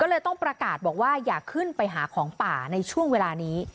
ก็เลยต้องประกาศบอกว่าอย่าขึ้นไปหาของป่าในช่วงเวลานี้